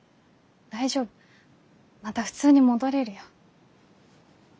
大丈夫また普通に戻れるよ。